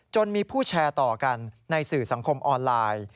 มีผู้แชร์ต่อกันในสื่อสังคมออนไลน์